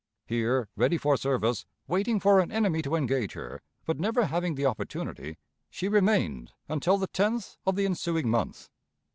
Here, ready for service, waiting for an enemy to engage her, but never having the opportunity, she remained until the 10th of the ensuing month.